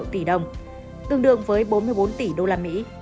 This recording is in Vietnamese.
tương đương với bốn mươi bốn tỷ usd